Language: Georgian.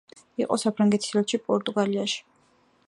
იყო საფრანგეთის ელჩი პორტუგალიაში.